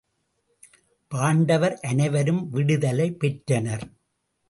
பாண்டவர் அனைவரும் விடுதலை பெற்றனர்.